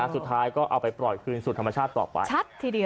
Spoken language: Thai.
สุดท้ายก็เอาไปปล่อยคืนสุดธรรมชาติต่อไป